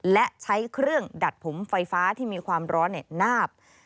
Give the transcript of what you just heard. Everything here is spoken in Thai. และใช้เครื่องดัดผมไฟฟ้าที่มีความร้อนนาบ